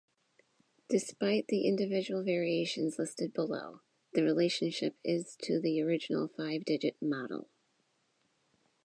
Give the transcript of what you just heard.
Despite the individual variations listed below, the relationship is to the original five-digit 'model'.